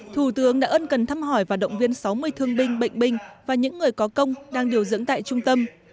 thủ tướng đã ân cần thăm hỏi và động viên sáu mươi thương binh bệnh binh và những người có công đang điều dưỡng tại trung tâm